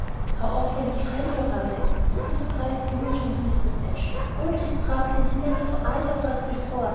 "How awfully kind your brother is," said the surprised Imogen to Mrs. Ashe; "all this trouble, and he never saw either of us before!